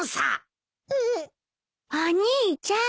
お兄ちゃん。